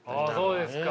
そうですか。